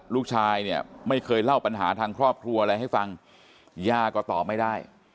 ลูกชายเนี่ยไม่เคยเล่าปัญหาทางครอบครัวอะไรให้ฟังย่าก็ตอบไม่ได้